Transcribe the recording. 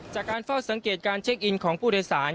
จากการเฝ้าสังเกตการเช็คอินของผู้โดยสาร